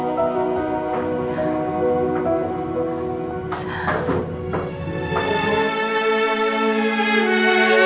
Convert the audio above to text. gitu udah school ini